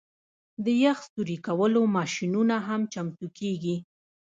د یخ سوري کولو ماشینونه هم چمتو کیږي